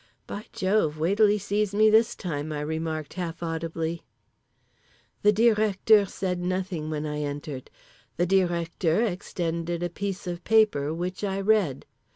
"By Jove! wait till he sees me this time," I remarked half audibly…. The Directeur said nothing when I entered. The Directeur extended a piece of paper, which I read.